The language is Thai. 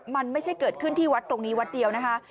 มันไม่ใช่เกิดขึ้นที่วัดตรงนี้วัดเดียวนะคะ